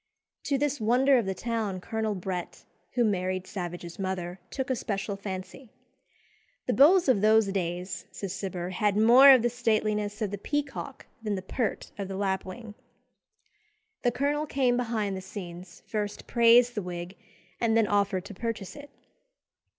To this wonder of the town Colonel Brett, who married Savage's mother, took a special fancy. "The beaux of those days," says Cibber, "had more of the stateliness of the peacock than the pert of the lapwing." The colonel came behind the scenes, first praised the wig, and then offered to purchase it.